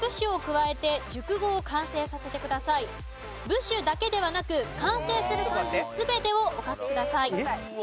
部首だけではなく完成する漢字全てをお書きください。